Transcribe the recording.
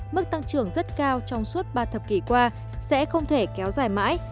mức tăng trưởng rất cao trong suốt ba thập kỷ qua sẽ không thể kéo dài mãi